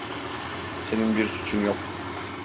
Senin bir suçun yok.